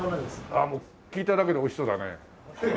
ああもう聞いただけでおいしそうだね。